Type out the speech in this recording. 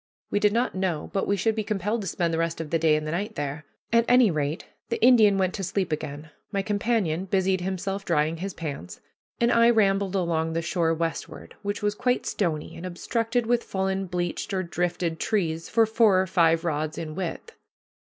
We did not know but we should be compelled to spend the rest of the day and the night there. At any rate, the Indian went to sleep again, my companion busied himself drying his plants, and I rambled along the shore westward, which was quite stony, and obstructed with fallen bleached or drifted trees for four or five rods in width.